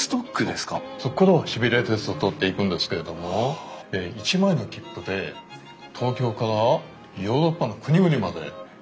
そこからはシベリア鉄道通っていくんですけれども１枚の切符で東京からヨーロッパの国々まで行ける。